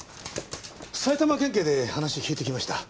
埼玉県警で話聞いてきました。